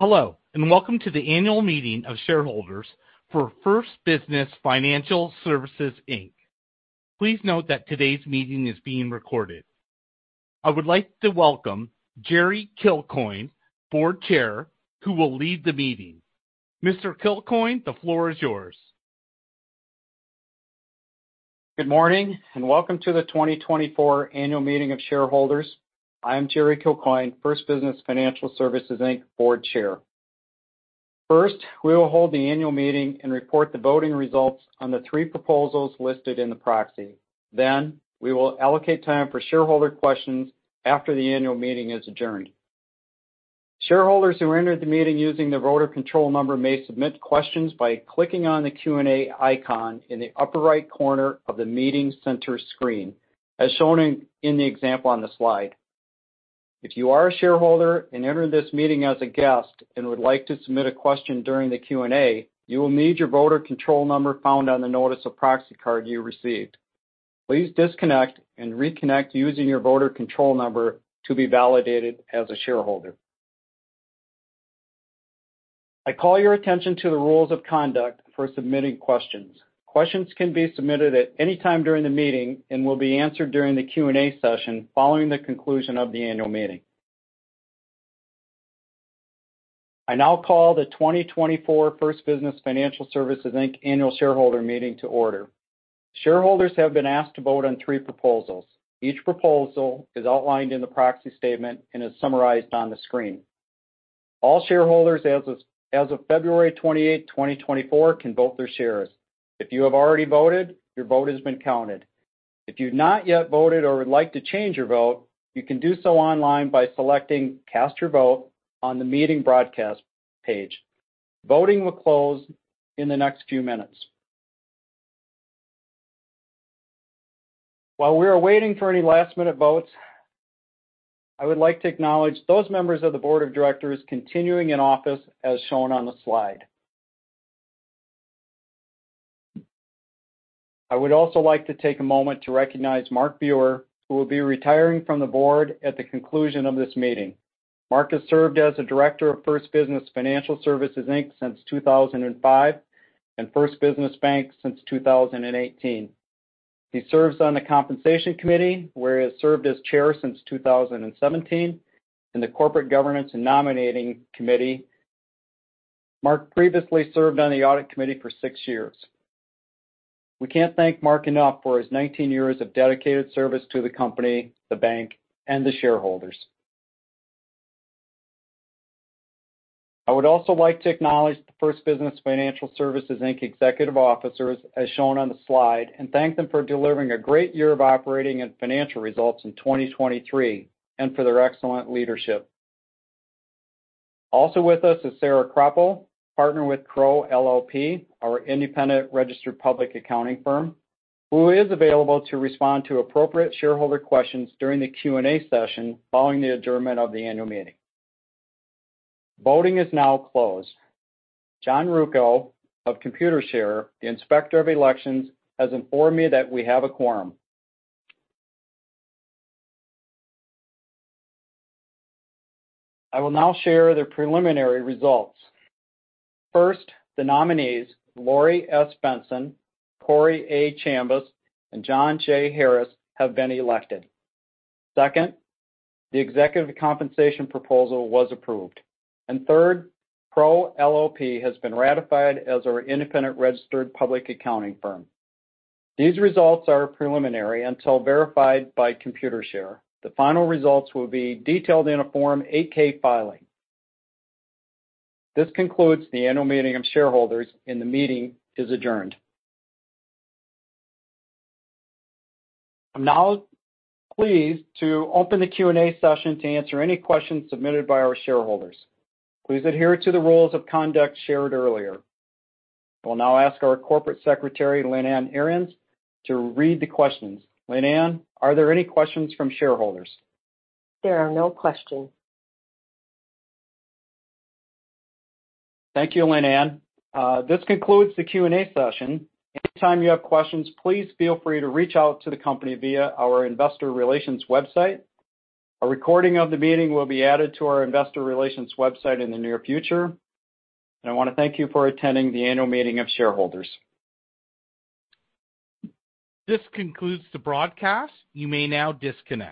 Hello, and welcome to the annual meeting of shareholders for First Business Financial Services, Inc. Please note that today's meeting is being recorded. I would like to welcome Jerry Kilcoyne, Board Chair, who will lead the meeting. Mr. Kilcoyne, the floor is you Good morning, and welcome to the 2024 annual meeting of shareholders. I'm Jerry Kilcoyne, First Business Financial Services, Inc, Board Chair. First, we will hold the annual meeting and report the voting results on the three proposals listed in the proxy. Then, we will allocate time for shareholder questions after the annual meeting is adjourned. Shareholders who entered the meeting using the voter control number may submit questions by clicking on the Q&A icon in the upper right corner of the meeting center screen, as shown in the example on the slide. If you are a shareholder and entered this meeting as a guest and would like to submit a question during the Q&A, you will need your voter control number found on the notice of proxy card you received. Please disconnect and reconnect using your voter control number to be validated as a shareholder. I call your attention to the rules of conduct for submitting questions. Questions can be submitted at any time during the meeting and will be answered during the Q&A session following the conclusion of the annual meeting. I now call the 2024 First Business Financial Services, Inc, annual shareholder meeting to order. Shareholders have been asked to vote on three proposals. Each proposal is outlined in the proxy statement and is summarized on the screen. All shareholders as of February 28th, 2024, can vote their shares. If you have already voted, your vote has been counted. If you've not yet voted or would like to change your vote, you can do so online by selecting Cast Your Vote on the meeting broadcast page. Voting will close in the next few minutes. While we are waiting for any last-minute votes, I would like to acknowledge those members of the board of directors continuing in office as shown on the slide. I would also like to take a moment to recognize Mark Bugher, who will be retiring from the board at the conclusion of this meeting. Mark has served as a Director of First Business Financial Services, Inc, since 2005, and First Business Bank since 2018. He serves on the Compensation Committee, where he has served as Chair since 2017, and the Corporate Governance and Nominating Committee. Mark previously served on the Audit Committee for six years. We can't thank Mark enough for his 19 years of dedicated service to the company, the bank, and the shareholders. I would also like to acknowledge the First Business Financial Services, Inc, executive officers, as shown on the slide, and thank them for delivering a great year of operating and financial results in 2023, and for their excellent leadership. Also with us is Sarah Krople, partner with Crowe LLP, our independent registered public accounting firm, who is available to respond to appropriate shareholder questions during the Q&A session following the adjournment of the annual meeting. Voting is now closed. John Ruocco of Computershare, the Inspector of Elections, has informed me that we have a quorum. I will now share the preliminary results. First, the nominees, Laurie S. Benson, Corey A. Chambas, and John J. Harris, have been elected. Second, the executive compensation proposal was approved. And third, Crowe LLP has been ratified as our independent registered public accounting firm. These results are preliminary until verified by Computershare. The final results will be detailed in a Form 8-K filing. This concludes the annual meeting of shareholders, and the meeting is adjourned. I'm now pleased to open the Q&A session to answer any questions submitted by our shareholders. Please adhere to the rules of conduct shared earlier. I will now ask our Corporate Secretary, Lynn Ann Arians, to read the questions. Lynn Ann, are there any questions from shareholders? There are no questions. Thank you, Lynn Ann. This concludes the Q&A session. Anytime you have questions, please feel free to reach out to the company via our investor relations website. A recording of the meeting will be added to our investor relations website in the near future. I want to thank you for attending the annual meeting of shareholders. This concludes the broadcast. You may now disconnect.